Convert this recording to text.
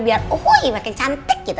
biar wuih makin cantik gitu